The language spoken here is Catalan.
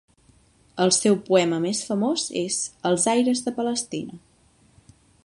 El seu poema més famós és "Els aires de Palestina".